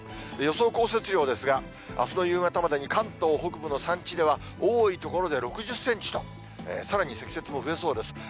予想降雪量ですが、あすの夕方までに、関東北部の山地では、多い所で６０センチと、さらに積雪も増えそうです。